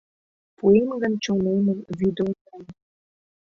Пуэм гын чонемым Вӱдонлан